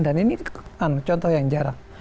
dan ini kan contoh yang jarang